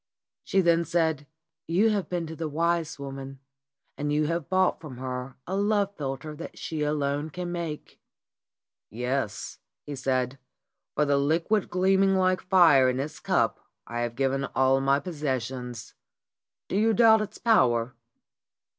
She then said : "You have been to the wise woman, and you have bought from her a love philter that she alone can make." "Yes," he said. "For the liquid gleaming like fire in its cup I have given all my possessions. Do you doubt its power?"